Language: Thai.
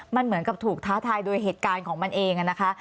มันเหมือนกับถูกท้าทายโดยเหตุการณ์ของมันเองนะคะ